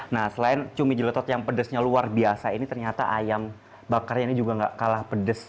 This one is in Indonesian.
nah selain cumi jelotot yang pedesnya luar biasa ini ternyata ayam bakarnya ini juga gak kalah pedes